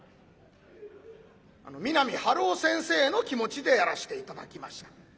あの三波春夫先生の気持ちでやらして頂きました。